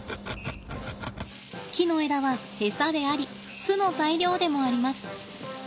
木の枝は餌であり巣の材料でもあります。